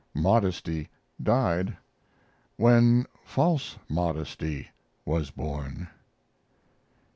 MODESTY DIED when false modesty was born.